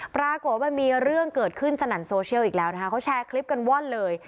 ปรากฏว่ามันมีเรื่องเกิดขึ้นสนั่นโซเชียลอีกแล้วนะคะเขาแชร์คลิปกันว่อนเลย